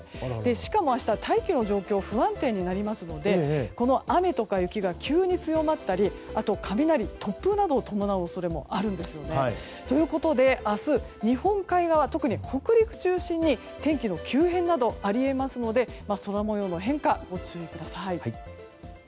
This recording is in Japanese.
しかも明日、大気の状態が不安定になりますのでこの雨とか雪が急に強まったりあと、雷や突風などを伴う恐れもあるんですね。ということで、明日は日本海側特に北陸中心に天気の急変などあり得ますので空模様の変化にご注意ください。